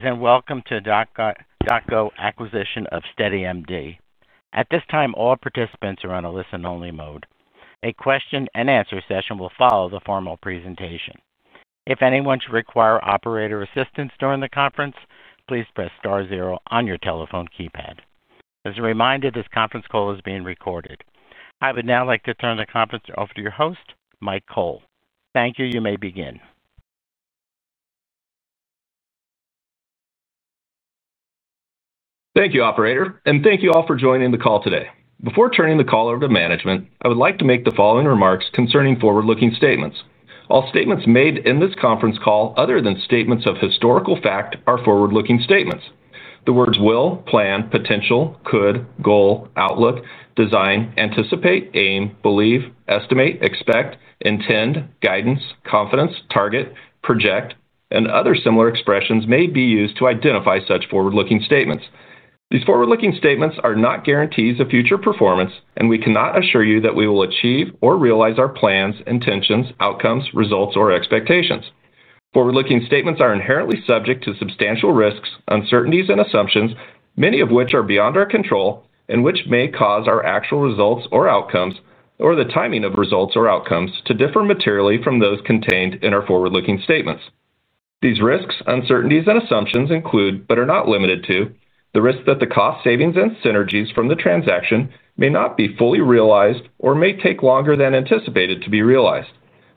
Welcome to the DocGo acquisition of SteadyMD. At this time, all participants are on a listen-only mode. A question and answer session will follow the formal presentation. If anyone should require operator assistance during the conference, please press star zero on your telephone keypad. As a reminder, this conference call is being recorded. I would now like to turn the conference over to your host, Mike Cole. Thank you. You may begin. Thank you, Operator, and thank you all for joining the call today. Before turning the caller over to management, I would like to make the following remarks concerning forward-looking statements. All statements made in this conference call, other than statements of historical fact, are forward-looking statements. The words will, plan, potential, could, goal, outlook, design, anticipate, aim, believe, estimate, expect, intend, guidance, confidence, target, project, and other similar expressions may be used to identify such forward-looking statements. These forward-looking statements are not guarantees of future performance, and we cannot assure you that we will achieve or realize our plans, intentions, outcomes, results, or expectations. Forward-looking statements are inherently subject to substantial risks, uncertainties, and assumptions, many of which are beyond our control and which may cause our actual results or outcomes, or the timing of results or outcomes, to differ materially from those contained in our forward-looking statements. These risks, uncertainties, and assumptions include, but are not limited to, the risk that the cost savings and synergies from the transaction may not be fully realized or may take longer than anticipated to be realized,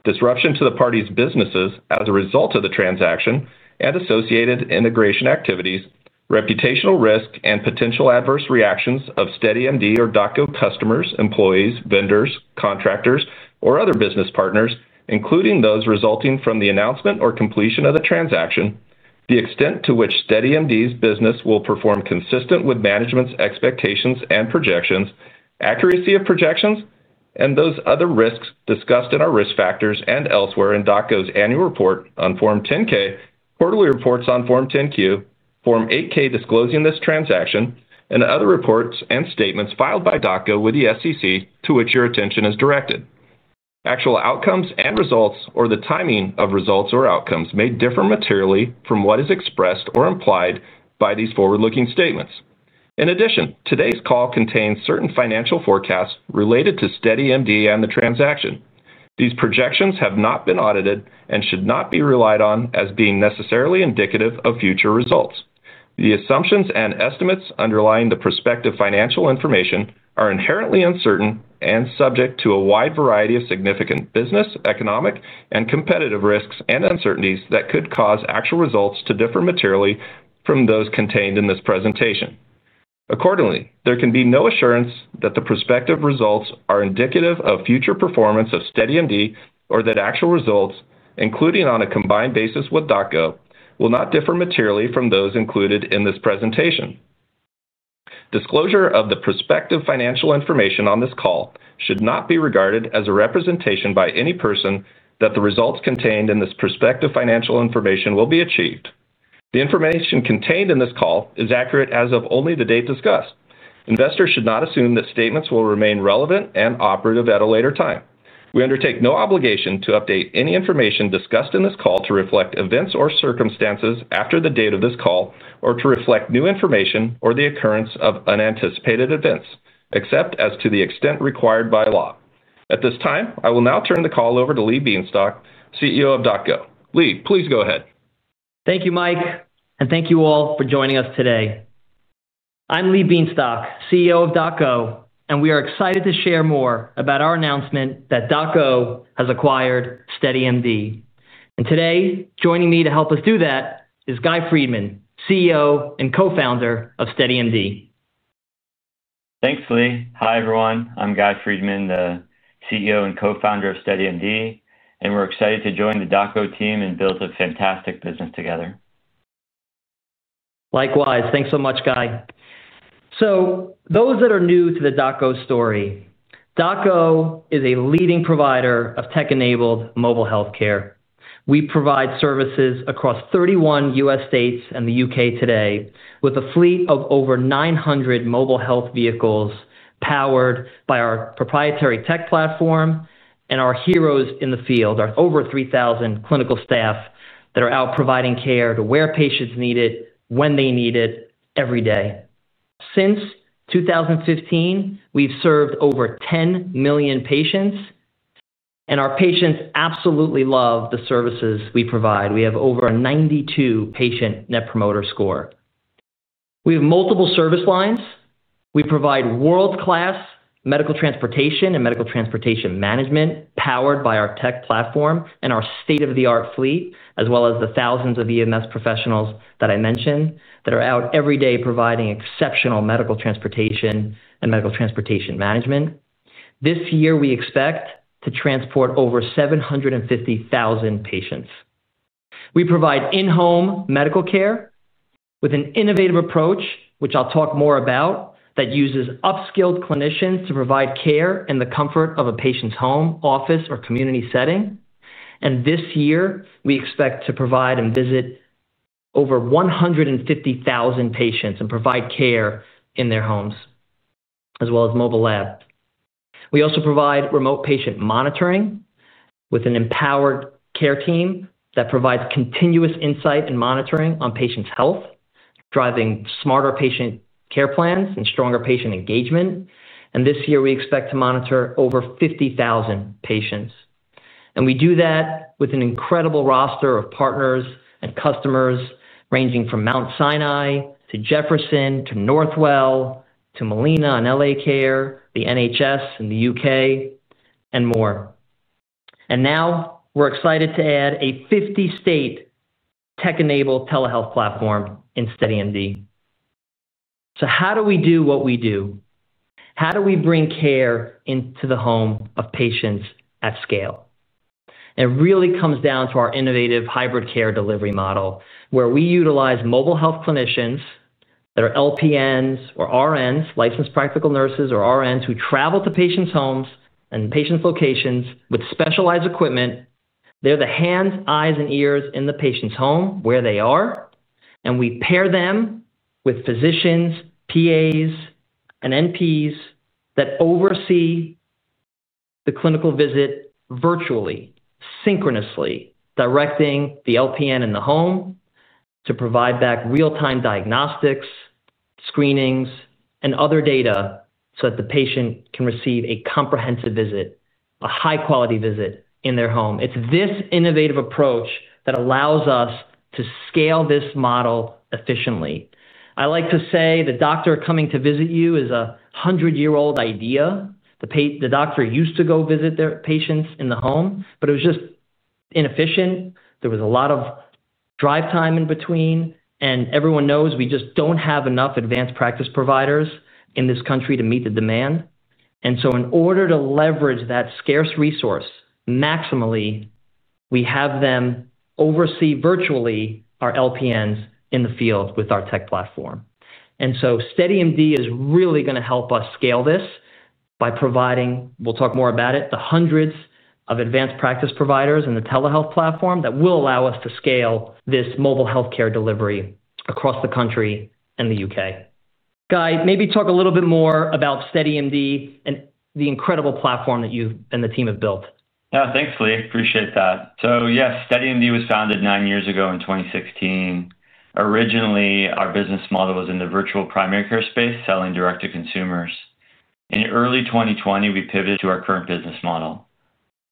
disruption to the parties' businesses as a result of the transaction, and associated integration activities, reputational risk, and potential adverse reactions of SteadyMD or DocGo customers, employees, vendors, contractors, or other business partners, including those resulting from the announcement or completion of the transaction, the extent to which SteadyMD's business will perform consistent with management's expectations and projections, accuracy of projections, and those other risks discussed in our risk factors and elsewhere in DocGo's annual report on Form 10-K, quarterly reports on Form 10-Q, Form 8-K disclosing this transaction, and other reports and statements filed by DocGo with the SEC to which your attention is directed. Actual outcomes and results, or the timing of results or outcomes, may differ materially from what is expressed or implied by these forward-looking statements. In addition, today's call contains certain financial forecasts related to SteadyMD and the transaction. These projections have not been audited and should not be relied on as being necessarily indicative of future results. The assumptions and estimates underlying the prospective financial information are inherently uncertain and subject to a wide variety of significant business, economic, and competitive risks and uncertainties that could cause actual results to differ materially from those contained in this presentation. Accordingly, there can be no assurance that the prospective results are indicative of future performance of SteadyMD or that actual results, including on a combined basis with DocGo, will not differ materially from those included in this presentation. Disclosure of the prospective financial information on this call should not be regarded as a representation by any person that the results contained in this prospective financial information will be achieved. The information contained in this call is accurate as of only the date discussed. Investors should not assume that statements will remain relevant and operative at a later time. We undertake no obligation to update any information discussed in this call to reflect events or circumstances after the date of this call or to reflect new information or the occurrence of unanticipated events, except as to the extent required by law. At this time, I will now turn the call over to Lee Bienstock, CEO of DocGo. Lee, please go ahead. Thank you, Mike, and thank you all for joining us today. I'm Lee Bienstock, CEO of DocGo, and we are excited to share more about our announcement that DocGo has acquired SteadyMD. Today, joining me to help us do that is Guy Friedman, CEO and co-founder of SteadyMD. Thanks, Lee. Hi, everyone. I'm Guy Friedman, the CEO and co-founder of SteadyMD, and we're excited to join the DocGo team and build a fantastic business together. Likewise. Thanks so much, Guy. For those that are new to the DocGo story, DocGo is a leading provider of tech-enabled mobile health care. We provide services across 31 U.S. states and the UK today, with a fleet of over 900 mobile health vehicles powered by our proprietary tech platform and our heroes in the field, our over 3,000 clinical staff that are out providing care to where patients need it, when they need it, every day. Since 2015, we've served over 10 million patients, and our patients absolutely love the services we provide. We have over a 92% Net Promoter Score. We have multiple service lines. We provide world-class Medical Transportation and Medical Transportation management powered by our tech platform and our state-of-the-art fleet, as well as the thousands of EMS professionals that I mentioned that are out every day providing exceptional Medical Transportation and Medical Transportation management. This year, we expect to transport over 750,000 patients. We provide in-home medical care with an innovative approach, which I'll talk more about, that uses upskilled clinicians to provide care in the comfort of a patient's home, office, or community setting. This year, we expect to visit over 150,000 patients and provide care in their homes, as well as mobile lab. We also provide Remote Patient Monitoring with an empowered care team that provides continuous insight and monitoring on patients' health, driving smarter patient care plans and stronger patient engagement. This year, we expect to monitor over 50,000 patients. We do that with an incredible roster of partners and customers ranging from Mount Sinai to Jefferson to Northwell to Molina and LA Care, the NHS in the UK, and more. We are excited to add a 50-state tech-enabled telehealth platform in SteadyMD. How do we do what we do? How do we bring care into the home of patients at scale? It really comes down to our innovative hybrid care delivery model, where we utilize mobile health clinicians that are LPNs or RNs, licensed practical nurses or RNs, who travel to patients' homes and patients' locations with specialized equipment. They're the hands, eyes, and ears in the patient's home where they are. We pair them with physicians, PAs, and NPs that oversee the clinical visit virtually, synchronously, directing the LPN in the home to provide back real-time diagnostics, screenings, and other data so that the patient can receive a comprehensive visit, a high-quality visit in their home. It is this innovative approach that allows us to scale this model efficiently. I like to say the doctor coming to visit you is a 100-year-old idea. The doctor used to go visit their patients in the home, but it was just inefficient. There was a lot of drive time in between. Everyone knows we just do not have enough advanced practice providers in this country to meet the demand. In order to leverage that scarce resource maximally, we have them oversee virtually our LPNs in the field with our tech platform. SteadyMD is really going to help us scale this by providing, we will talk more about it, the hundreds of advanced practice providers and the telehealth platform that will allow us to scale this mobile health care delivery across the country and the UK. Guy, maybe talk a little bit more about SteadyMD and the incredible platform that you and the team have built. Yeah, thanks, Lee. Appreciate that. SteadyMD was founded nine years ago in 2016. Originally, our business model was in the virtual primary care space, selling direct to consumers. In early 2020, we pivoted to our current business model.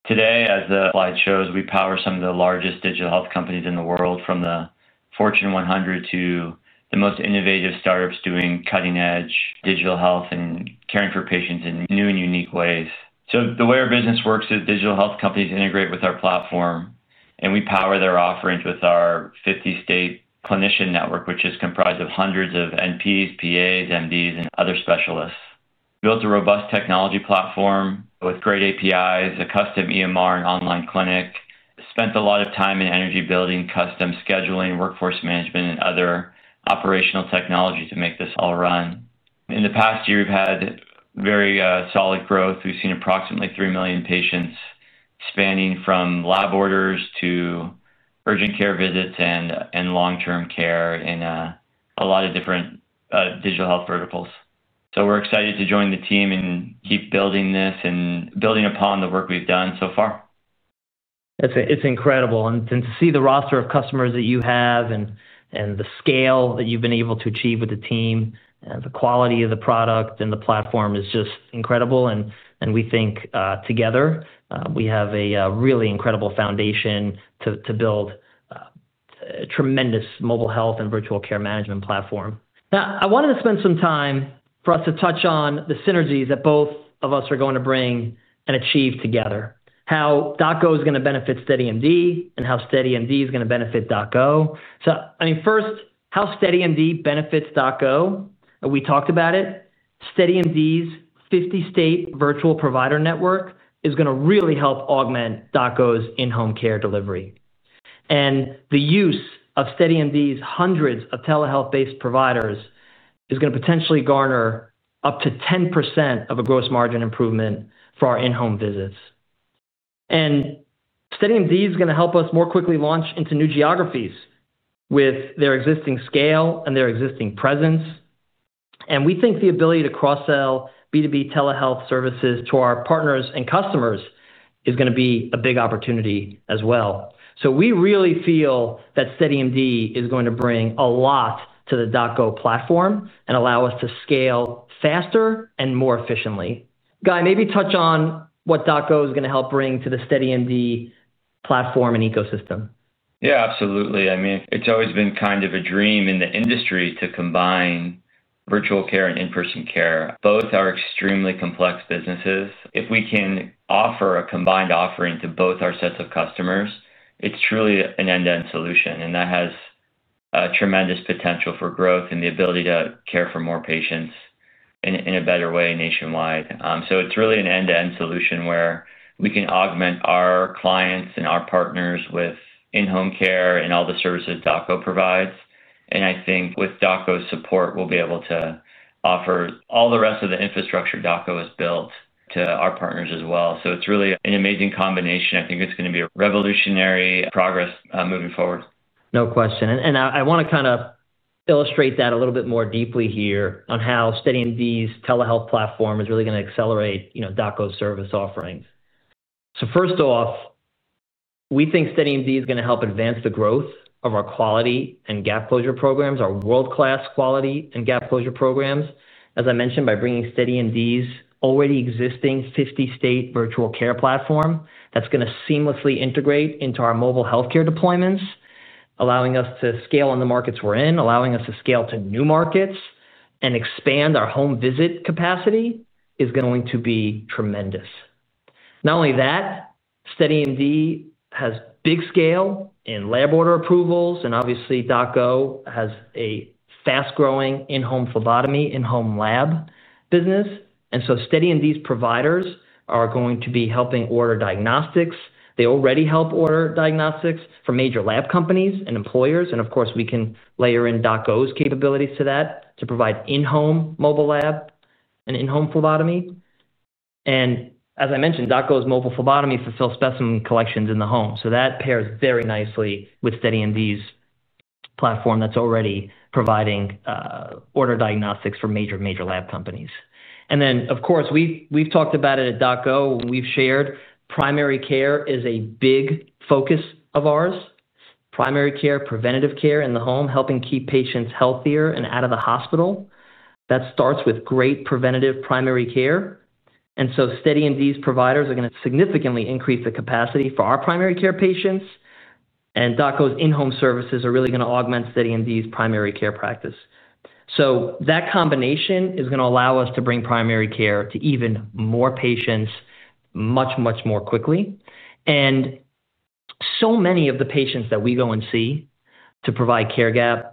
Today, as the slide shows, we power some of the largest digital health companies in the world, from the Fortune 100 to the most innovative startups doing cutting-edge digital health and caring for patients in new and unique ways. The way our business works is digital health companies integrate with our platform, and we power their offerings with our 50-state clinician network, which is comprised of hundreds of NPs, PAs, MDs, and other specialists. We built a robust technology platform with great APIs, a custom EMR, and online clinic. We spent a lot of time and energy building custom scheduling, workforce management, and other operational technologies to make this all run. In the past year, we've had very solid growth. We've seen approximately 3 million patients spanning from lab orders to urgent care visits and long-term care in a lot of different digital health verticals. We're excited to join the team and keep building this and building upon the work we've done so far. It's incredible. To see the roster of customers that you have and the scale that you've been able to achieve with the team and the quality of the product and the platform is just incredible. We think together, we have a really incredible foundation to build a tremendous mobile health and virtual care management platform. I wanted to spend some time for us to touch on the synergies that both of us are going to bring and achieve together, how DocGo is going to benefit SteadyMD and how SteadyMD is going to benefit DocGo. First, how SteadyMD benefits DocGo, and we talked about it. SteadyMD's 50-state virtual provider network is going to really help augment DocGo's in-home care delivery. The use of SteadyMD's hundreds of telehealth-based providers is going to potentially garner up to 10% of a gross margin improvement for our in-home visits. SteadyMD is going to help us more quickly launch into new geographies with their existing scale and their existing presence. We think the ability to cross-sell B2B telehealth services to our partners and customers is going to be a big opportunity as well. We really feel that SteadyMD is going to bring a lot to the DocGo platform and allow us to scale faster and more efficiently. Guy, maybe touch on what DocGo is going to help bring to the SteadyMD platform and ecosystem. Yeah, absolutely. I mean, it's always been kind of a dream in the industry to combine virtual care and in-person care. Both are extremely complex businesses. If we can offer a combined offering to both our sets of customers, it's truly an end-to-end solution. That has a tremendous potential for growth and the ability to care for more patients in a better way nationwide. It's really an end-to-end solution where we can augment our clients and our partners with in-home care and all the services DocGo provides. I think with DocGo's support, we'll be able to offer all the rest of the infrastructure DocGo has built to our partners as well. It's really an amazing combination. I think it's going to be a revolutionary progress moving forward. No question. I want to kind of illustrate that a little bit more deeply here on how SteadyMD's telehealth platform is really going to accelerate DocGo's service offerings. First off, we think SteadyMD is going to help advance the growth of our quality and gap closure programs, our world-class quality and gap closure programs. As I mentioned, by bringing SteadyMD's already existing 50-state virtual care platform, that's going to seamlessly integrate into our mobile health care deployments, allowing us to scale on the markets we're in, allowing us to scale to new markets, and expand our home visit capacity is going to be tremendous. Not only that, SteadyMD has big scale in lab order approvals. Obviously, DocGo has a fast-growing in-home phlebotomy, in-home lab business. SteadyMD's providers are going to be helping order diagnostics. They already help order diagnostics for major lab companies and employers. Of course, we can layer in DocGo's capabilities to that to provide in-home mobile lab and in-home phlebotomy. As I mentioned, DocGo's mobile phlebotomy fulfills specimen collections in the home. That pairs very nicely with SteadyMD's platform that's already providing order diagnostics for major, major lab companies. We've talked about it at DocGo. We've shared primary care is a big focus of ours. Primary care, preventative care in the home, helping keep patients healthier and out of the hospital. That starts with great preventative primary care. SteadyMD's providers are going to significantly increase the capacity for our primary care patients. DocGo's in-home services are really going to augment SteadyMD's primary care practice. That combination is going to allow us to bring primary care to even more patients much, much more quickly. Many of the patients that we go and see to provide care gap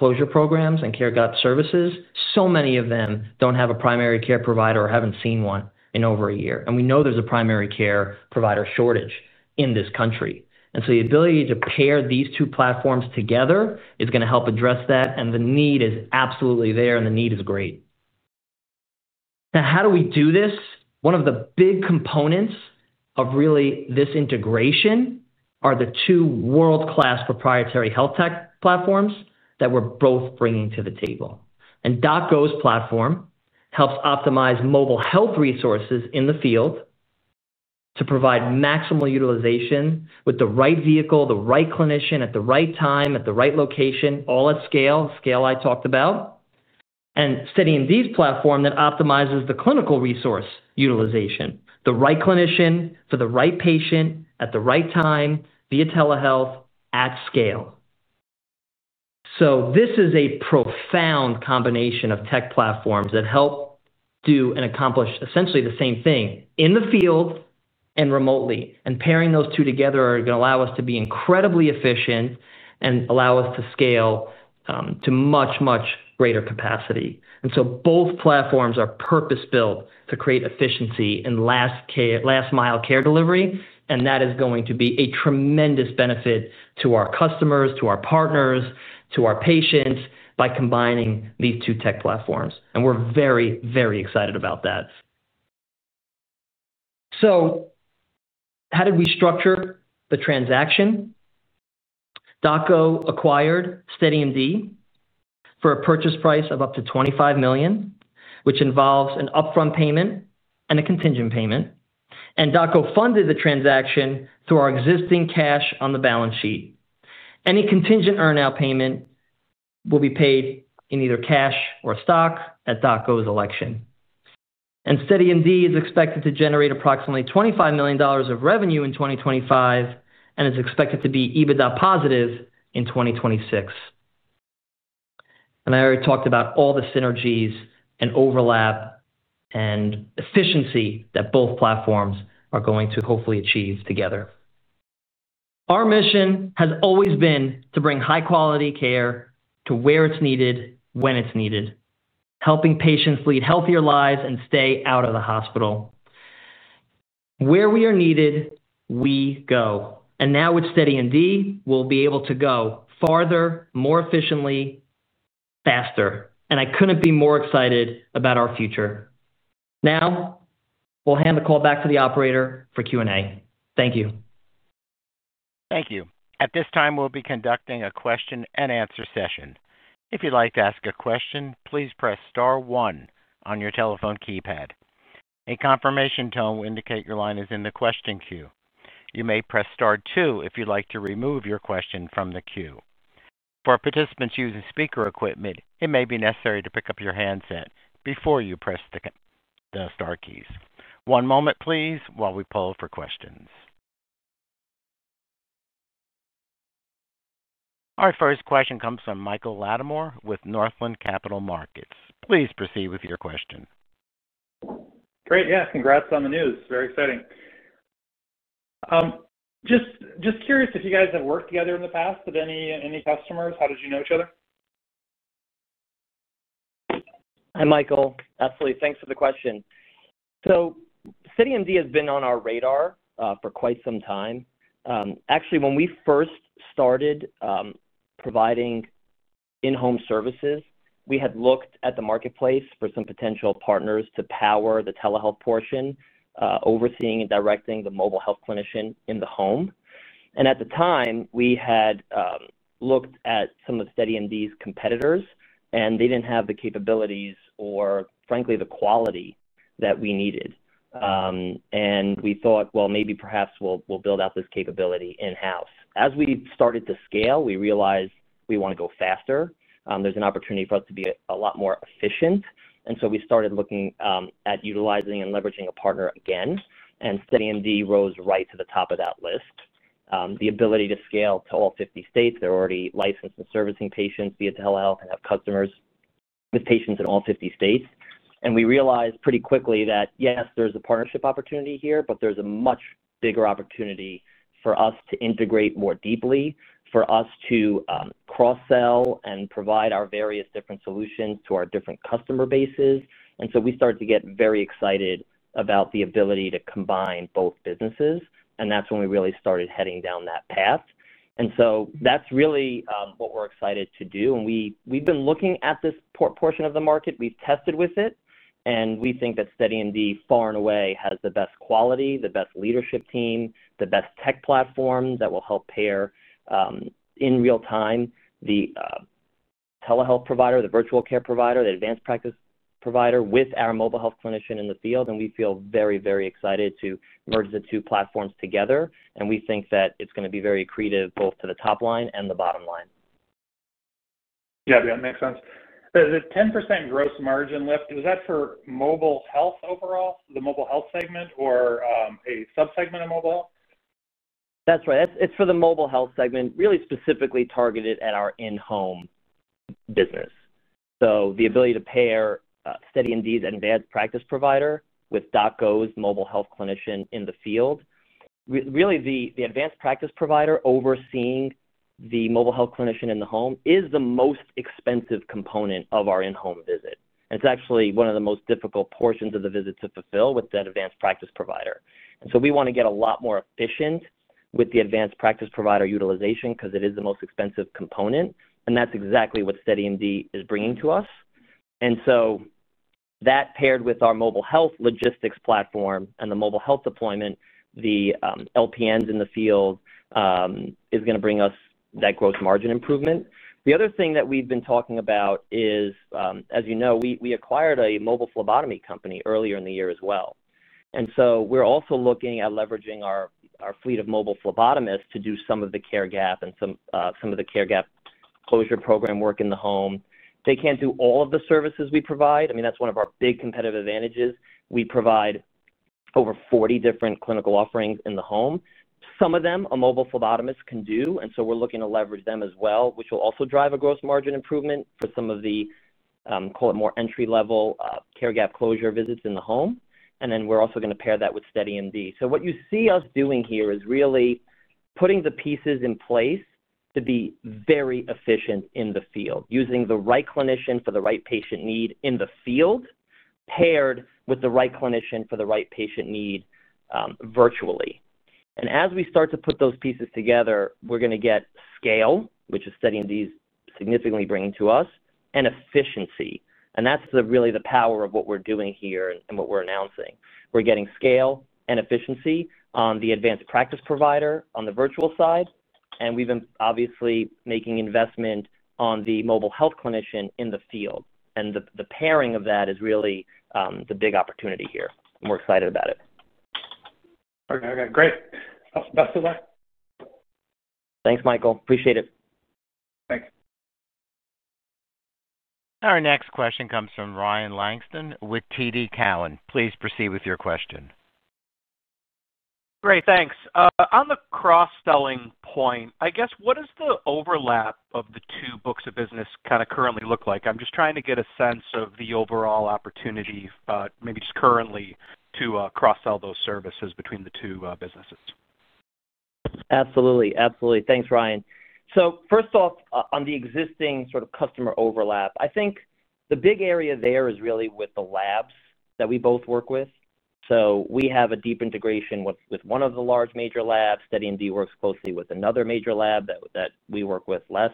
closure programs and care gap services, so many of them don't have a primary care provider or haven't seen one in over a year. We know there's a primary care provider shortage in this country. The ability to pair these two platforms together is going to help address that. The need is absolutely there, and the need is great. Now, how do we do this? One of the big components of really this integration are the two world-class proprietary health tech platforms that we're both bringing to the table. DocGo's platform helps optimize mobile health resources in the field to provide maximal utilization with the right vehicle, the right clinician at the right time, at the right location, all at scale, scale I talked about. SteadyMD's platform then optimizes the clinical resource utilization, the right clinician for the right patient at the right time via telehealth at scale. This is a profound combination of tech platforms that help do and accomplish essentially the same thing in the field and remotely. Pairing those two together is going to allow us to be incredibly efficient and allow us to scale to much, much greater capacity. Both platforms are purpose-built to create efficiency and last-mile care delivery. That is going to be a tremendous benefit to our customers, to our partners, to our patients by combining these two tech platforms. We're very, very excited about that. How did we structure the transaction? DocGo acquired SteadyMD for a purchase price of up to $25 million, which involves an upfront payment and a contingent payment. DocGo funded the transaction through our existing cash on the balance sheet. Any contingent earnout payment will be paid in either cash or stock at DocGo's election. SteadyMD is expected to generate approximately $25 million of revenue in 2025 and is expected to be EBITDA positive in 2026. I already talked about all the synergies and overlap and efficiency that both platforms are going to hopefully achieve together. Our mission has always been to bring high-quality care to where it's needed, when it's needed, helping patients lead healthier lives and stay out of the hospital. Where we are needed, we go. Now with SteadyMD, we'll be able to go farther, more efficiently, faster. I couldn't be more excited about our future. Now, we'll hand the call back to the Operator for Q&A. Thank you. Thank you. At this time, we'll be conducting a question and answer session. If you'd like to ask a question, please press star one on your telephone keypad. A confirmation tone will indicate your line is in the question queue. You may press star two if you'd like to remove your question from the queue. For participants using speaker equipment, it may be necessary to pick up your handset before you press the star keys. One moment, please, while we poll for questions. Our first question comes from Michael Latimore with Northland Capital Markets. Please proceed with your question. Great. Yes, congrats on the news. Very exciting. Just curious if you guys have worked together in the past with any customers? How did you know each other? Hi, Michael. Absolutely. Thanks for the question. SteadyMD has been on our radar for quite some time. Actually, when we first started providing in-home services, we had looked at the marketplace for some potential partners to power the telehealth portion, overseeing and directing the mobile health clinician in the home. At the time, we had looked at some of SteadyMD's competitors, and they didn't have the capabilities or, frankly, the quality that we needed. We thought, maybe perhaps we'll build out this capability in-house. As we started to scale, we realized we want to go faster. There's an opportunity for us to be a lot more efficient. We started looking at utilizing and leveraging a partner again. SteadyMD rose right to the top of that list. The ability to scale to all 50 states, they're already licensed and servicing patients via telehealth and have customers with patients in all 50 states. We realized pretty quickly that, yes, there's a partnership opportunity here, but there's a much bigger opportunity for us to integrate more deeply, for us to cross-sell and provide our various different solutions to our different customer bases. We started to get very excited about the ability to combine both businesses. That's when we really started heading down that path. That's really what we're excited to do. We've been looking at this portion of the market. We've tested with it. We think that SteadyMD, far and away, has the best quality, the best leadership team, the best tech platform that will help pair in real time the telehealth provider, the virtual care provider, the advanced practice provider with our mobile health clinician in the field. We feel very, very excited to merge the two platforms together. We think that it's going to be very accretive both to the top line and the bottom line. Yeah, it makes sense. The 10% gross margin lift, was that for Mobile Health overall, the Mobile Health segment, or a subsegment of Mobile Health? That's right. It's for the Mobile Health segment, really specifically targeted at our in-home business. The ability to pair SteadyMD's advanced practice provider with DocGo's Mobile Health clinician in the field is key. Really, the advanced practice provider overseeing the Mobile Health clinician in the home is the most expensive component of our in-home visit. It's actually one of the most difficult portions of the visit to fulfill with that advanced practice provider. We want to get a lot more efficient with the advanced practice provider utilization because it is the most expensive component. That's exactly what SteadyMD is bringing to us. That, paired with our Mobile Health logistics platform and the Mobile Health deployment, the LPNs in the field, is going to bring us that gross margin improvement. The other thing that we've been talking about is, as you know, we acquired a Mobile Phlebotomy company earlier in the year as well. We're also looking at leveraging our fleet of mobile phlebotomists to do some of the care gap and some of the Care Gap Closure Program work in the home. They can't do all of the services we provide. That's one of our big competitive advantages. We provide over 40 different clinical offerings in the home. Some of them, a mobile phlebotomist can do. We're looking to leverage them as well, which will also drive a gross margin improvement for some of the, call it, more entry-level Care Gap Closure visits in the home. We're also going to pair that with SteadyMD. What you see us doing here is really putting the pieces in place to be very efficient in the field, using the right clinician for the right patient need in the field, paired with the right clinician for the right patient need virtually. As we start to put those pieces together, we're going to get scale, which is SteadyMD significantly bringing to us, and efficiency. That's really the power of what we're doing here and what we're announcing. We're getting scale and efficiency on the advanced practice provider on the virtual side. We've been obviously making investment on the Mobile Health clinician in the field. The pairing of that is really the big opportunity here. We're excited about it. Okay, great. Best of luck. Thanks, Michael. Appreciate it. Thanks. Our next question comes from Ryan Langston with TD Cowen. Please proceed with your question. Great, thanks. On the cross-selling point, I guess what is the overlap of the two books of business kind of currently look like? I'm just trying to get a sense of the overall opportunity, maybe just currently, to cross-sell those services between the two businesses. Absolutely, absolutely. Thanks, Ryan. First off, on the existing sort of customer overlap, I think the big area there is really with the labs that we both work with. We have a deep integration with one of the large major labs. SteadyMD works closely with another major lab that we work with less.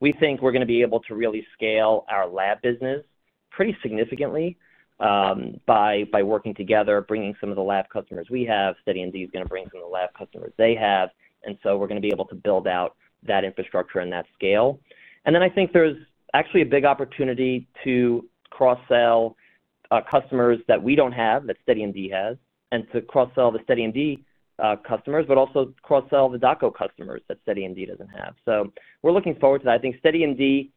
We think we're going to be able to really scale our lab business pretty significantly by working together, bringing some of the lab customers we have. SteadyMD is going to bring some of the lab customers they have. We're going to be able to build out that infrastructure and that scale. I think there's actually a big opportunity to cross-sell customers that we don't have that SteadyMD has and to cross-sell the SteadyMD customers, but also cross-sell the DocGo customers that SteadyMD doesn't have. We're looking forward to that. I think SteadyMD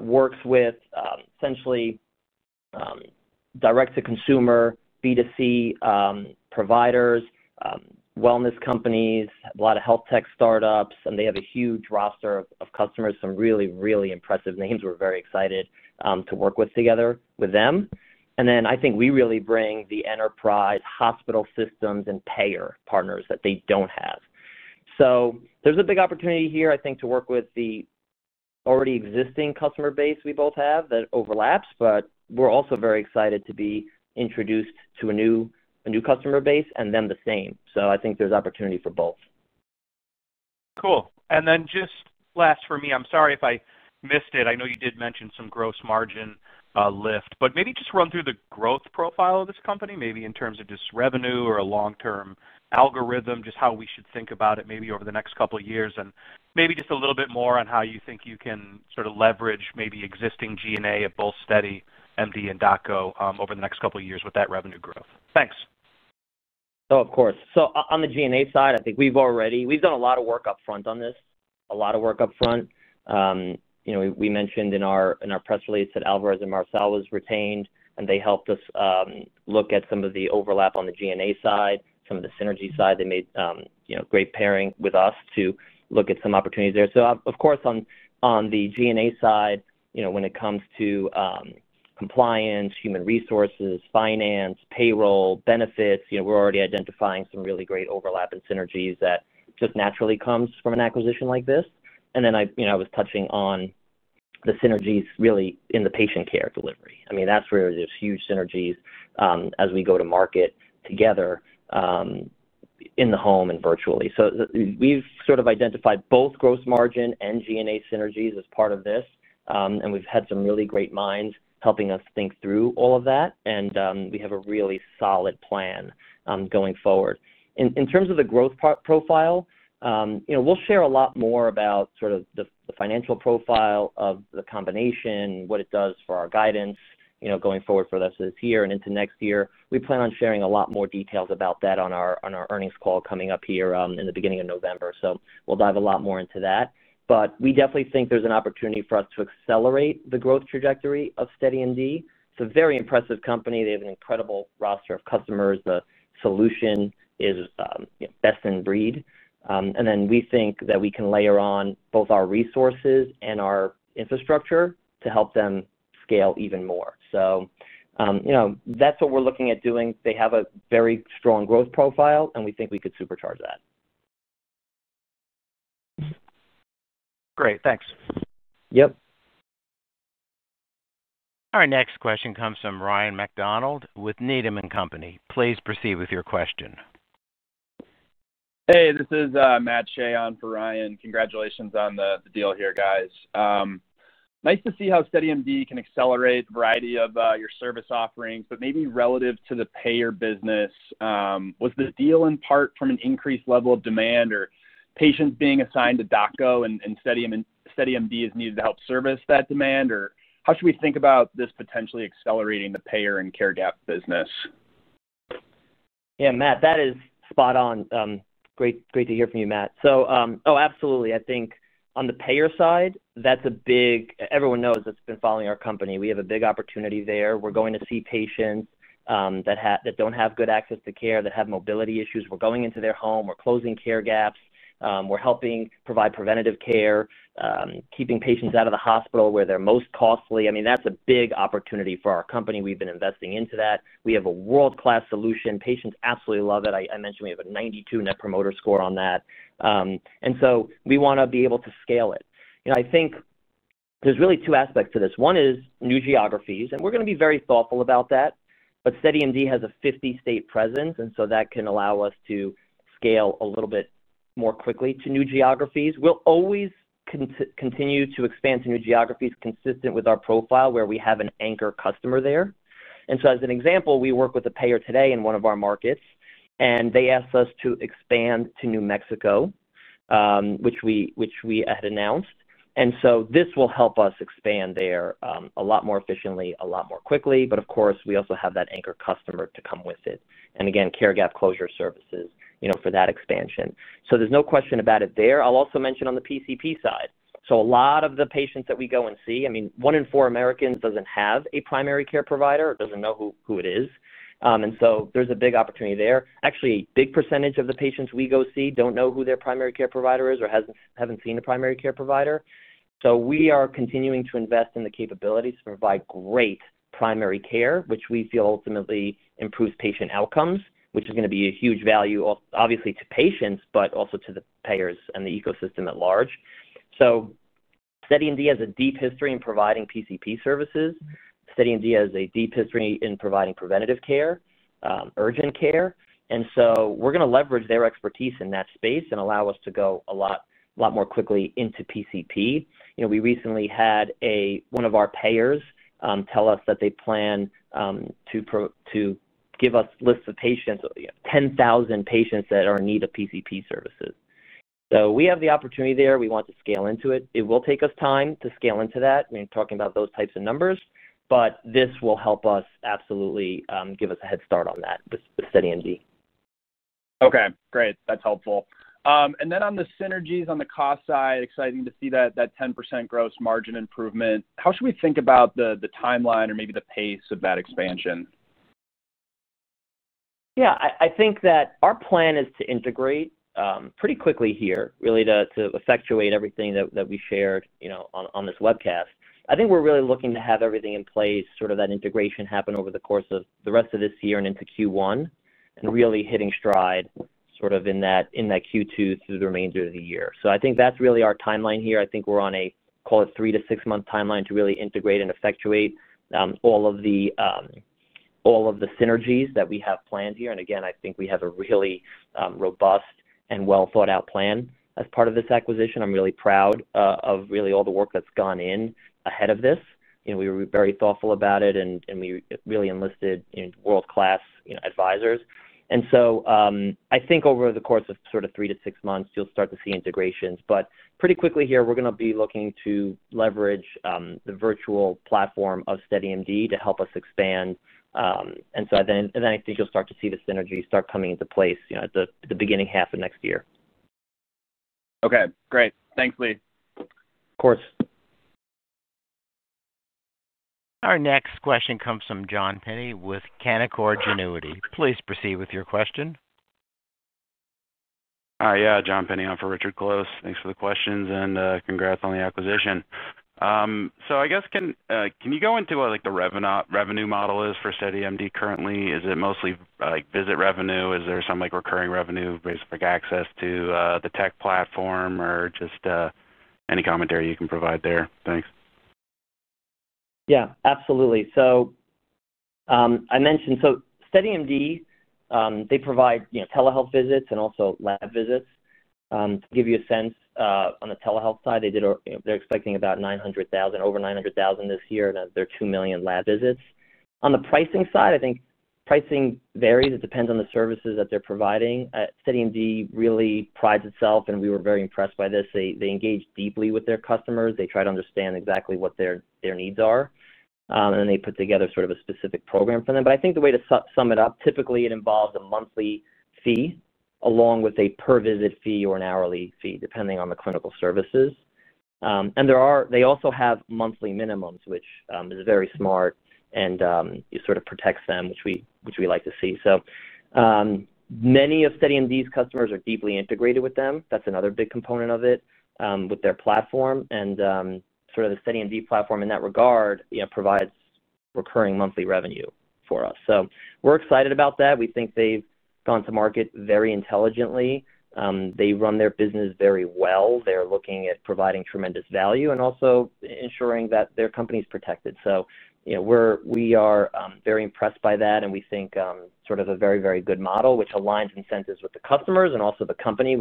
works with essentially direct-to-consumer, B2C providers, wellness companies, a lot of health tech startups. They have a huge roster of customers, some really, really impressive names we're very excited to work with together with them. I think we really bring the enterprise hospital systems and payer partners that they don't have. There's a big opportunity here, I think, to work with the already existing customer base we both have that overlaps. We're also very excited to be introduced to a new customer base and then the same. I think there's opportunity for both. Cool. Just last for me, I'm sorry if I missed it. I know you did mention some gross margin lift, but maybe just run through the growth profile of this company, maybe in terms of just revenue or a long-term algorithm, just how we should think about it maybe over the next couple of years, and maybe just a little bit more on how you think you can sort of leverage maybe existing G&A at both SteadyMD and DocGo over the next couple of years with that revenue growth. Thanks. Of course. On the G&A side, I think we've already done a lot of work upfront on this, a lot of work upfront. We mentioned in our press release that Alvarez and Marsal was retained, and they helped us look at some of the overlap on the G&A side, some of the synergy side. They made great pairing with us to look at some opportunities there. On the G&A side, when it comes to compliance, human resources, finance, payroll, benefits, we're already identifying some really great overlap and synergies that just naturally come from an acquisition like this. I was touching on the synergies really in the patient care delivery. That's where there's huge synergies as we go to market together in the home and virtually. We've sort of identified both gross margin and G&A synergies as part of this. We've had some really great minds helping us think through all of that. We have a really solid plan going forward. In terms of the growth profile, we'll share a lot more about the financial profile of the combination, what it does for our guidance going forward for us this year and into next year. We plan on sharing a lot more details about that on our earnings call coming up here in the beginning of November. We'll dive a lot more into that. We definitely think there's an opportunity for us to accelerate the growth trajectory of SteadyMD. It's a very impressive company. They have an incredible roster of customers. The solution is best in breed. We think that we can layer on both our resources and our infrastructure to help them scale even more. That's what we're looking at doing. They have a very strong growth profile, and we think we could supercharge that. Great, thanks. Yep. Our next question comes from Ryan McDonald with Needham & Company. Please proceed with your question. Hey, this is Matt Shea on for Ryan. Congratulations on the deal here, guys. Nice to see how SteadyMD can accelerate a variety of your service offerings. Maybe relative to the payer business, was the deal in part from an increased level of demand or patients being assigned to DocGo and SteadyMD is needed to help service that demand? How should we think about this potentially accelerating the payer and Care Gap Closure Programs business? Yeah, Matt, that is spot on. Great to hear from you, Matt. Absolutely. I think on the payer side, that's a big opportunity. Everyone knows that's been following our company. We have a big opportunity there. We're going to see patients that don't have good access to care, that have mobility issues. We're going into their home. We're closing care gaps. We're helping provide preventative care, keeping patients out of the hospital where they're most costly. That's a big opportunity for our company. We've been investing into that. We have a world-class solution. Patients absolutely love it. I mentioned we have a 92% Net Promoter Score on that. We want to be able to scale it. I think there's really two aspects to this. One is new geographies. We're going to be very thoughtful about that. SteadyMD has a 50-state presence, and that can allow us to scale a little bit more quickly to new geographies. We'll always continue to expand to new geographies consistent with our profile where we have an anchor customer there. As an example, we work with a payer today in one of our markets, and they asked us to expand to New Mexico, which we had announced. This will help us expand there a lot more efficiently, a lot more quickly. Of course, we also have that anchor customer to come with it. Again, care gap closure services for that expansion. There's no question about it there. I'll also mention on the PCP side. A lot of the patients that we go and see, one in four Americans doesn't have a primary care provider or doesn't know who it is. There's a big opportunity there. Actually, a big percentage of the patients we go see don't know who their primary care provider is or haven't seen a primary care provider. We are continuing to invest in the capabilities to provide great primary care, which we feel ultimately improves patient outcomes, which is going to be a huge value, obviously, to patients, but also to the payers and the ecosystem at large. SteadyMD has a deep history in providing PCP services. SteadyMD has a deep history in providing preventative care, urgent care. We're going to leverage their expertise in that space and allow us to go a lot more quickly into PCP. We recently had one of our payers tell us that they plan to give us lists of patients, 10,000 patients that are in need of PCP services. We have the opportunity there. We want to scale into it. It will take us time to scale into that. We're talking about those types of numbers. This will help us absolutely give us a head start on that with SteadyMD. Okay, great. That's helpful. On the synergies on the cost side, exciting to see that 10% gross margin improvement. How should we think about the timeline or maybe the pace of that expansion? Yeah, I think that our plan is to integrate pretty quickly here, really to effectuate everything that we shared on this webcast. I think we're really looking to have everything in place, sort of that integration happen over the course of the rest of this year and into Q1, and really hitting stride in that Q2 through the remainder of the year. I think that's really our timeline here. We're on a, call it, three to six-month timeline to really integrate and effectuate all of the synergies that we have planned here. I think we have a really robust and well-thought-out plan as part of this acquisition. I'm really proud of all the work that's gone in ahead of this. We were very thoughtful about it, and we really enlisted world-class advisors. I think over the course of three to six months, you'll start to see integrations. Pretty quickly here, we're going to be looking to leverage the virtual platform of SteadyMD to help us expand. I think you'll start to see the synergy start coming into place at the beginning half of next year. Okay, great. Thanks, Lee. Of course. Our next question comes from John Pinney with Canaccord Genuity. Please proceed with your question. Hi, yeah, John Pinney on for Richard Close. Thanks for the questions and congrats on the acquisition. Can you go into what the revenue model is for SteadyMD currently? Is it mostly visit revenue? Is there some recurring revenue based on access to the tech platform or just any commentary you can provide there? Thanks. Yeah, absolutely. I mentioned SteadyMD, they provide telehealth visits and also lab visits. To give you a sense, on the telehealth side, they're expecting about 900,000, over 900,000 this year and their 2 million lab visits. On the pricing side, I think pricing varies. It depends on the services that they're providing. SteadyMD really prides itself, and we were very impressed by this. They engage deeply with their customers. They try to understand exactly what their needs are. They put together sort of a specific program for them. I think the way to sum it up, typically, it involves a monthly fee along with a per-visit fee or an hourly fee, depending on the clinical services. They also have monthly minimums, which is very smart and sort of protects them, which we like to see. Many of SteadyMD's customers are deeply integrated with them. That's another big component of it with their platform. The SteadyMD platform in that regard provides recurring monthly revenue for us. We're excited about that. We think they've gone to market very intelligently. They run their business very well. They're looking at providing tremendous value and also ensuring that their company is protected. We are very impressed by that. We think it's sort of a very, very good model, which aligns incentives with the customers and also the company,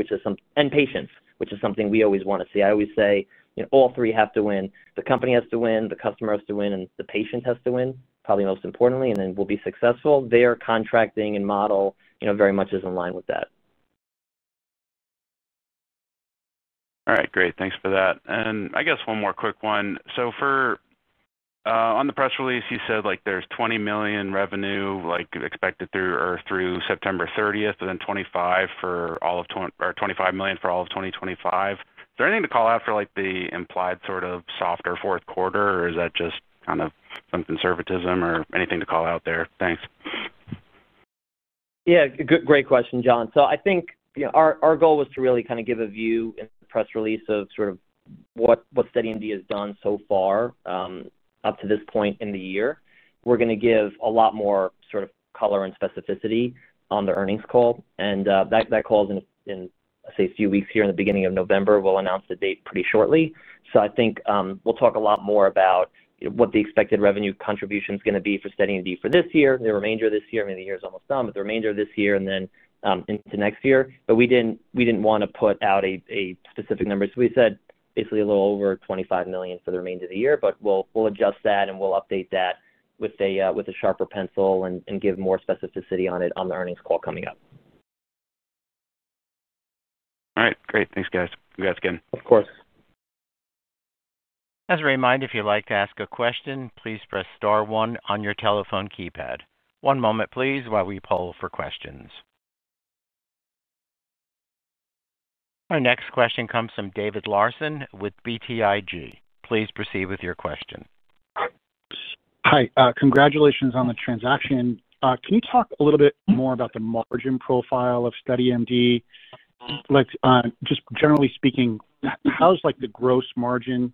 and patients, which is something we always want to see. I always say all three have to win. The company has to win, the customer has to win, and the patient has to win, probably most importantly, and then we'll be successful. Their contracting and model very much is in line with that. All right, great. Thanks for that. I guess one more quick one. On the press release, you said there's $20 million revenue expected through September 30th, but then $25 million for all of 2025. Is there anything to call out for the implied sort of softer fourth quarter, or is that just kind of some conservatism or anything to call out there? Thanks. Yeah, great question, John. I think our goal was to really kind of give a view in the press release of what SteadyMD has done so far up to this point in the year. We're going to give a lot more color and specificity on the earnings call. That call is in a few weeks here in the beginning of November. We'll announce the date pretty shortly. I think we'll talk a lot more about what the expected revenue contribution is going to be for SteadyMD for this year, the remainder of this year. I mean, the year is almost done, the remainder of this year and then into next year. We didn't want to put out a specific number. We said basically a little over $25 million for the remainder of the year, but we'll adjust that and we'll update that with a sharper pencil and give more specificity on it on the earnings call coming up. All right, great. Thanks, guys. Congrats again. Of course. As a reminder, if you'd like to ask a question, please press star one on your telephone keypad. One moment, please, while we poll for questions. Our next question comes from David Larsen with BTIG. Please proceed with your question. Hi, congratulations on the transaction. Can you talk a little bit more about the margin profile of SteadyMD? Just generally speaking, how's the gross margin?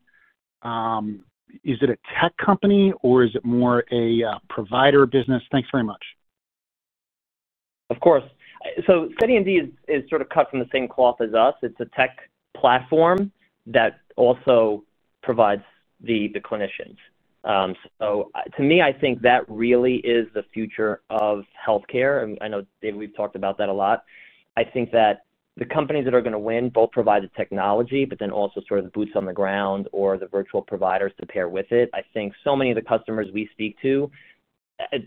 Is it a tech company or is it more a provider business? Thanks very much. Of course. SteadyMD is sort of cut from the same cloth as us. It's a tech platform that also provides the clinicians. To me, I think that really is the future of healthcare. I know, David, we've talked about that a lot. I think that the companies that are going to win both provide the technology, but then also sort of the boots on the ground or the virtual providers to pair with it. I think so many of the customers we speak to,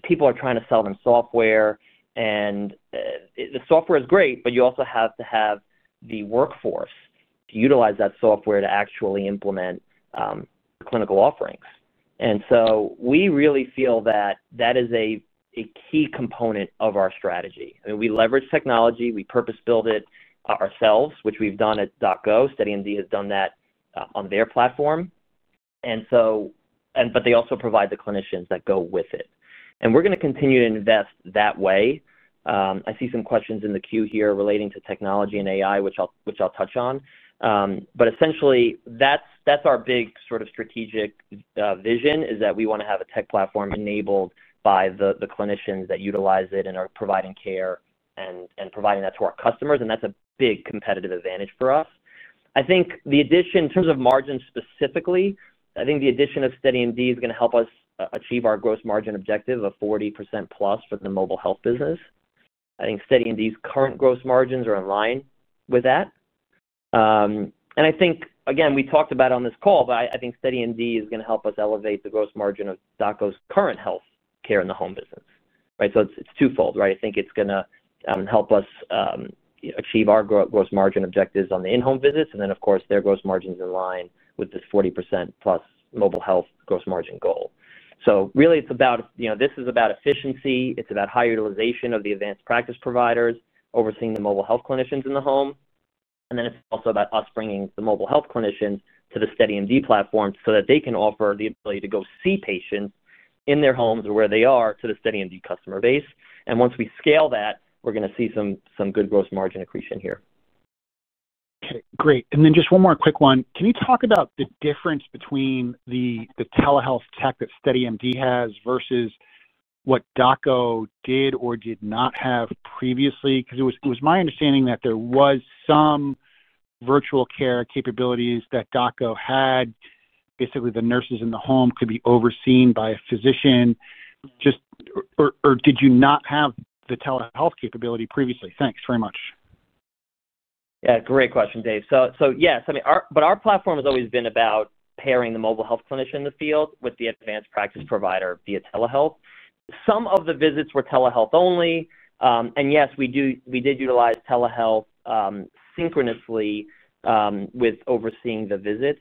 people are trying to sell them software. The software is great, but you also have to have the workforce to utilize that software to actually implement clinical offerings. We really feel that is a key component of our strategy. We leverage technology. We purpose-build it ourselves, which we've done at DocGo. SteadyMD has done that on their platform, but they also provide the clinicians that go with it. We're going to continue to invest that way. I see some questions in the queue here relating to technology and AI, which I'll touch on. Essentially, that's our big sort of strategic vision. We want to have a tech platform enabled by the clinicians that utilize it and are providing care and providing that to our customers. That's a big competitive advantage for us. I think the addition, in terms of margin specifically, I think the addition of SteadyMD is going to help us achieve our gross margin objective of 40% plus for the mobile health business. I think SteadyMD's current gross margins are in line with that. Again, we talked about it on this call, but I think SteadyMD is going to help us elevate the gross margin of DocGo's current healthcare in the home business. It's twofold, right? I think it's going to help us achieve our gross margin objectives on the in-home visits. Of course, their gross margin is in line with this 40% plus mobile health gross margin goal. Really, this is about efficiency. It's about high utilization of the advanced practice providers overseeing the mobile health clinicians in the home. It's also about us bringing the mobile health clinicians to the SteadyMD platform so that they can offer the ability to go see patients in their homes or where they are to the SteadyMD customer base. Once we scale that, we're going to see some good gross margin accretion here. Okay, great. Just one more quick one. Can you talk about the difference between the telehealth tech that SteadyMD has versus what DocGo did or did not have previously? It was my understanding that there was some virtual care capabilities that DocGo had. Basically, the nurses in the home could be overseen by a physician. Did you not have the telehealth capability previously? Thanks very much. Yeah, great question, Dave. Yes, I mean, our platform has always been about pairing the mobile health clinician in the field with the advanced practice provider via telehealth. Some of the visits were telehealth only. Yes, we did utilize telehealth synchronously with overseeing the visits,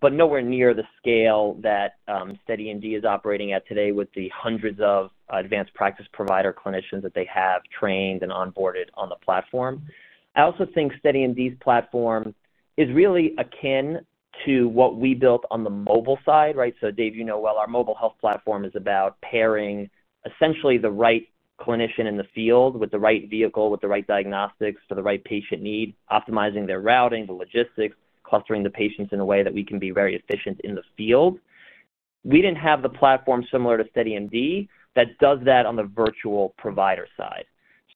but nowhere near the scale that SteadyMD is operating at today with the hundreds of advanced practice provider clinicians that they have trained and onboarded on the platform. I also think SteadyMD's platform is really akin to what we built on the mobile side, right? Dave, you know well, our mobile health platform is about pairing essentially the right clinician in the field with the right vehicle, with the right diagnostics for the right patient need, optimizing their routing, the logistics, clustering the patients in a way that we can be very efficient in the field. We didn't have the platform similar to SteadyMD that does that on the virtual provider side.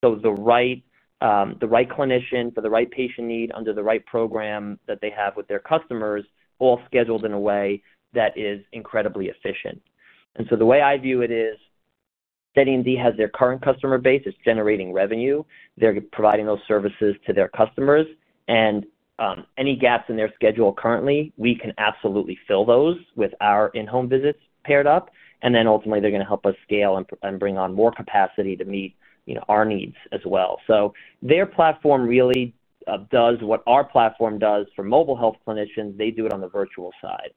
It was the right clinician for the right patient need under the right program that they have with their customers, all scheduled in a way that is incredibly efficient. The way I view it is SteadyMD has their current customer base. It's generating revenue. They're providing those services to their customers. Any gaps in their schedule currently, we can absolutely fill those with our in-home visits paired up. Ultimately, they're going to help us scale and bring on more capacity to meet our needs as well. Their platform really does what our platform does for mobile health clinicians. They do it on the virtual side.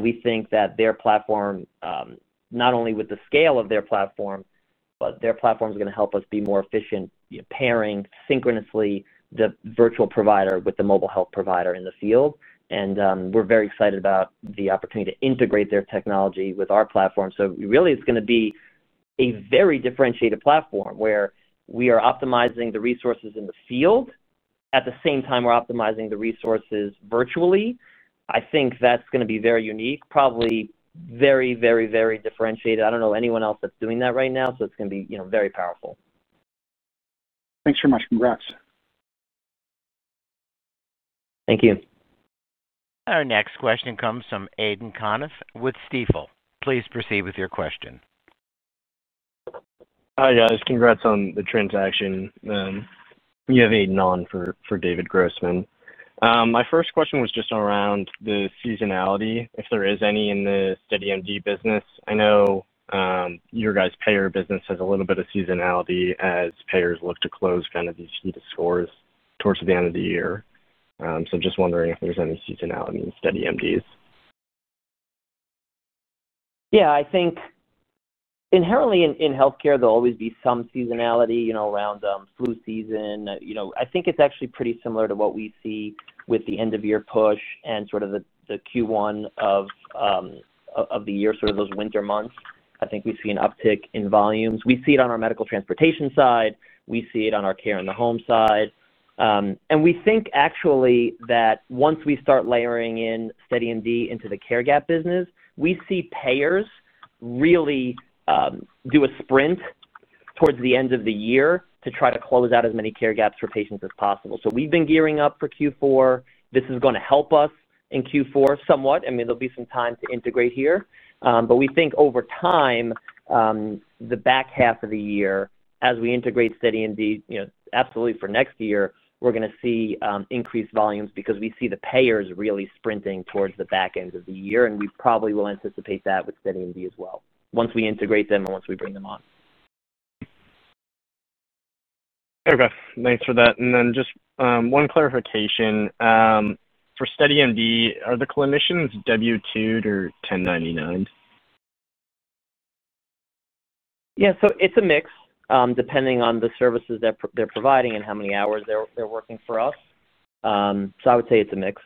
We think that their platform, not only with the scale of their platform, but their platform is going to help us be more efficient pairing synchronously the virtual provider with the mobile health provider in the field. We're very excited about the opportunity to integrate their technology with our platform. It's going to be a very differentiated platform where we are optimizing the resources in the field. At the same time, we're optimizing the resources virtually. I think that's going to be very unique, probably very, very, very differentiated. I don't know anyone else that's doing that right now. It's going to be very powerful. Thanks very much. Congrats. Thank you. Our next question comes from Aidan Conniff with Stifel. Please proceed with your question. Hi, guys. Congrats on the transaction. You have Aidan on for David Grossman. My first question was just around the seasonality, if there is any in the SteadyMD business. I know your guys' payer business has a little bit of seasonality as payers look to close kind of these heated scores towards the end of the year. Just wondering if there's any seasonality in SteadyMD. Yeah, I think inherently in healthcare, there'll always be some seasonality, you know, around flu season. I think it's actually pretty similar to what we see with the end-of-year push and sort of the Q1 of the year, those winter months. I think we see an uptick in volumes. We see it on our Medical Transportation side. We see it on our care in the home side. We think actually that once we start layering in SteadyMD into the Care Gap Closure Programs business, we see payers really do a sprint towards the end of the year to try to close out as many care gaps for patients as possible. We've been gearing up for Q4. This is going to help us in Q4 somewhat. I mean, there'll be some time to integrate here. We think over time, the back half of the year, as we integrate SteadyMD, absolutely for next year, we're going to see increased volumes because we see the payers really sprinting towards the back end of the year. We probably will anticipate that with SteadyMD as well once we integrate them and once we bring them on. Okay, thanks for that. Just one clarification. For SteadyMD, are the clinicians W2 or 1099'd? Yeah, it's a mix depending on the services that they're providing and how many hours they're working for us. I would say it's a mix.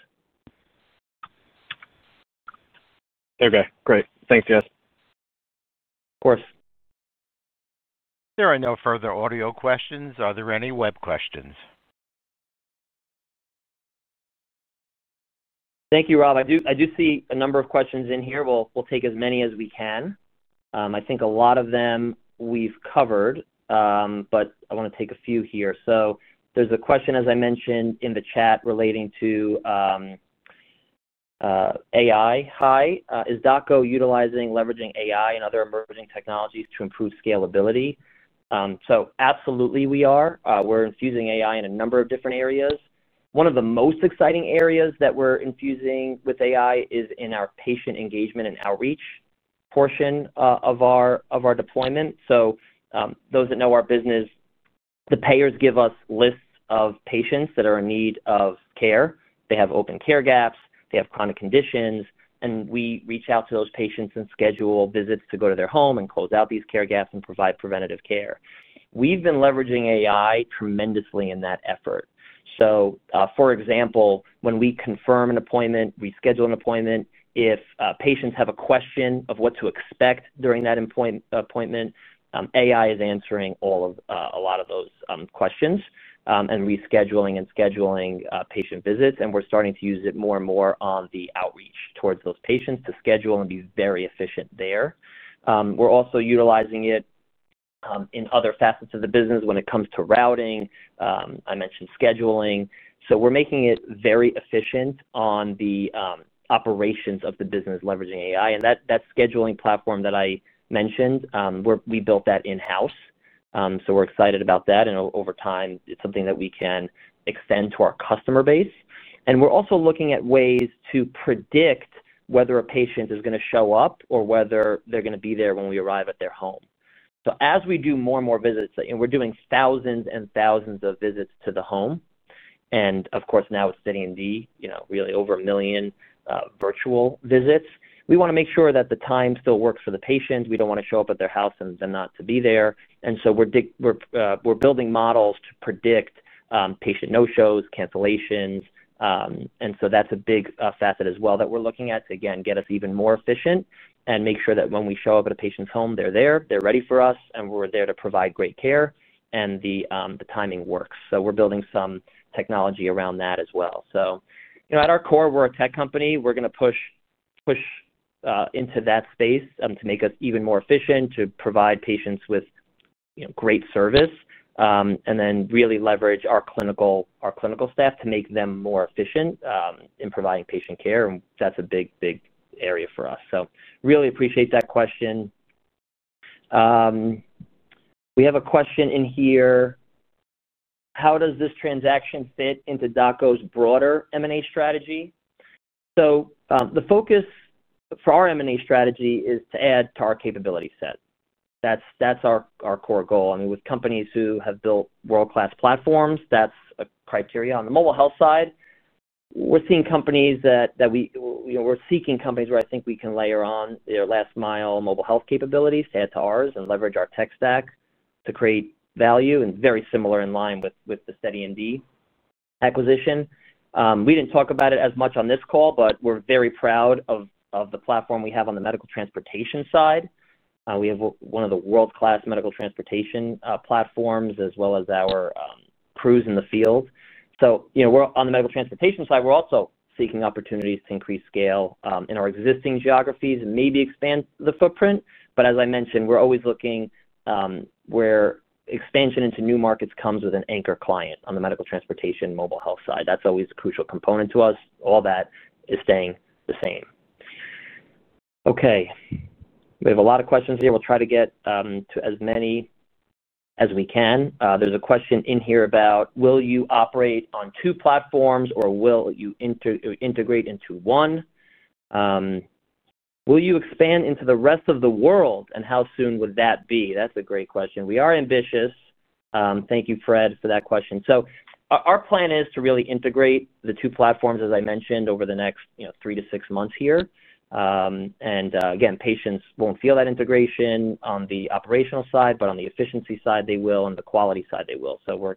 Okay, great. Thanks, guys. Of course. There are no further audio questions. Are there any web questions? Thank you, Rob. I do see a number of questions in here. We'll take as many as we can. I think a lot of them we've covered, but I want to take a few here. There's a question, as I mentioned, in the chat relating to AI. Hi. Is DocGo utilizing leveraging AI and other emerging technologies to improve scalability? Absolutely, we are. We're infusing AI in a number of different areas. One of the most exciting areas that we're infusing with AI is in our patient engagement and outreach portion of our deployment. Those that know our business, the payers give us lists of patients that are in need of care. They have open care gaps. They have chronic conditions. We reach out to those patients and schedule visits to go to their home and close out these care gaps and provide preventative care. We've been leveraging AI tremendously in that effort. For example, when we confirm an appointment, reschedule an appointment, if patients have a question of what to expect during that appointment, AI is answering a lot of those questions and rescheduling and scheduling patient visits. We're starting to use it more and more on the outreach towards those patients to schedule and be very efficient there. We're also utilizing it in other facets of the business when it comes to routing. I mentioned scheduling. We're making it very efficient on the operations of the business leveraging AI. That scheduling platform that I mentioned, we built that in-house. We're excited about that. Over time, it's something that we can extend to our customer base. We're also looking at ways to predict whether a patient is going to show up or whether they're going to be there when we arrive at their home. As we do more and more visits, and we're doing thousands and thousands of visits to the home, and of course, now with SteadyMD, really over a million virtual visits, we want to make sure that the time still works for the patient. We don't want to show up at their house and them not to be there. We're building models to predict patient no-shows, cancellations. That's a big facet as well that we're looking at to, again, get us even more efficient and make sure that when we show up at a patient's home, they're there, they're ready for us, and we're there to provide great care and the timing works. We're building some technology around that as well. At our core, we're a tech company. We're going to push into that space to make us even more efficient, to provide patients with great service, and then really leverage our clinical staff to make them more efficient in providing patient care. That's a big, big area for us. I really appreciate that question. We have a question in here. How does this transaction fit into DocGo's broader M&A strategy? The focus for our M&A strategy is to add to our capability set. That's our core goal. With companies who have built world-class platforms, that's a criteria. On the mobile health side, we're seeking companies where I think we can layer on their last-mile mobile health capabilities, add to ours, and leverage our tech stack to create value and very similar in line with the SteadyMD acquisition. We didn't talk about it as much on this call, but we're very proud of the platform we have on the medical transportation side. We have one of the world-class medical transportation platforms as well as our crews in the field. On the medical transportation side, we're also seeking opportunities to increase scale in our existing geographies and maybe expand the footprint. As I mentioned, we're always looking where expansion into new markets comes with an anchor client on the medical transportation mobile health side. That's always a crucial component to us. All that is staying the same. We have a lot of questions here. We'll try to get to as many as we can. There's a question in here about, will you operate on two platforms or will you integrate into one? Will you expand into the rest of the world and how soon would that be? That's a great question. We are ambitious. Thank you, Fred, for that question. Our plan is to really integrate the two platforms, as I mentioned, over the next three to six months here. Again, patients won't feel that integration on the operational side, but on the efficiency side, they will. On the quality side, they will. We're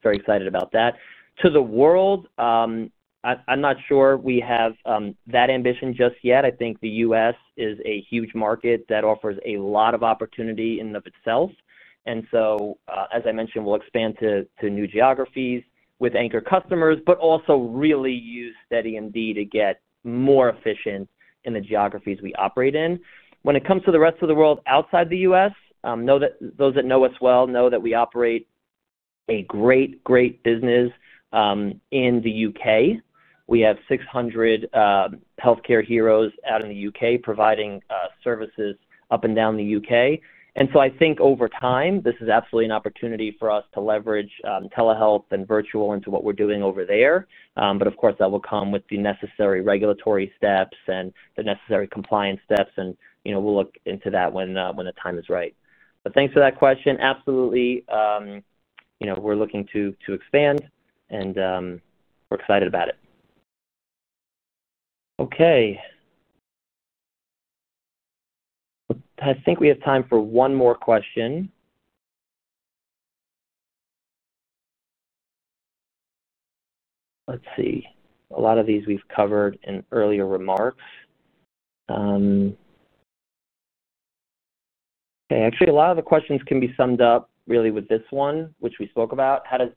very excited about that. To the world, I'm not sure we have that ambition just yet. I think the U.S. is a huge market that offers a lot of opportunity in and of itself. As I mentioned, we'll expand to new geographies with anchor customers, but also really use SteadyMD to get more efficient in the geographies we operate in. When it comes to the rest of the world outside the U.S., those that know us well know that we operate a great, great business in the UK. We have 600 healthcare heroes out in the UK providing services up and down the UK. I think over time, this is absolutely an opportunity for us to leverage telehealth and virtual into what we're doing over there. Of course, that will come with the necessary regulatory steps and the necessary compliance steps. We'll look into that when the time is right. Thanks for that question. Absolutely, we're looking to expand and we're excited about it. I think we have time for one more question. Let's see. A lot of these we've covered in earlier remarks. Actually, a lot of the questions can be summed up really with this one, which we spoke about. How does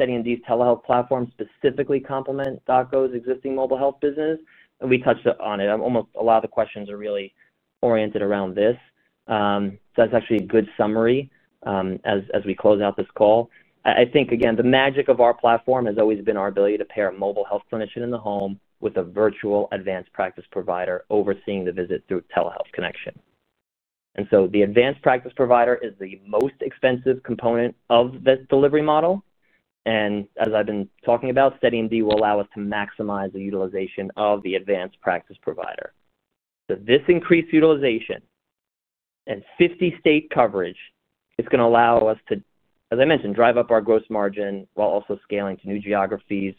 SteadyMD's telehealth platform specifically complement DocGo's existing mobile health business? We touched on it. Almost a lot of the questions are really oriented around this. That's actually a good summary as we close out this call. I think, again, the magic of our platform has always been our ability to pair a mobile health clinician in the home with a virtual advanced practice provider overseeing the visit through telehealth connection. The advanced practice provider is the most expensive component of the delivery model. As I've been talking about, SteadyMD will allow us to maximize the utilization of the advanced practice provider. This increased utilization and 50-state coverage is going to allow us to, as I mentioned, drive up our gross margin while also scaling to new geographies,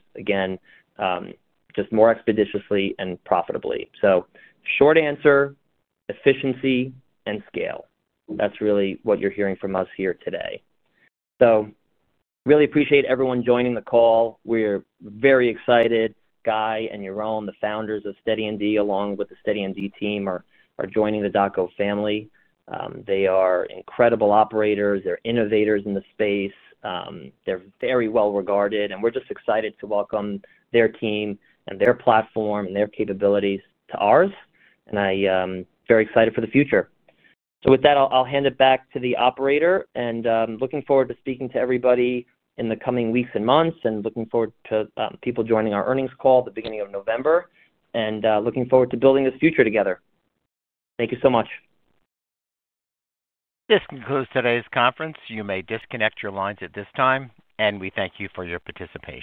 just more expeditiously and profitably. Short answer, efficiency and scale. That's really what you're hearing from us here today. Really appreciate everyone joining the call. We're very excited. Guy and your own, the founders of SteadyMD, along with the SteadyMD team, are joining the DocGo family. They are incredible operators. They're innovators in the space. They're very well-regarded. We're just excited to welcome their team and their platform and their capabilities to ours. I'm very excited for the future. With that, I'll hand it back to the operator. I'm looking forward to speaking to everybody in the coming weeks and months and looking forward to people joining our earnings call at the beginning of November and looking forward to building this future together. Thank you so much. This concludes today's conference. You may disconnect your lines at this time. We thank you for your participation.